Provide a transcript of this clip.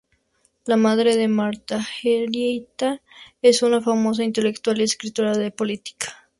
La madre de Margherita es una famosa intelectual y escritora de política.